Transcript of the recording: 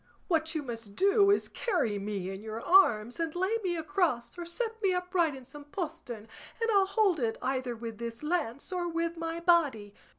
What you must do is carry me in your arms, and lay me across or set me upright in some postern, and I'll hold it either with this lance or with my body."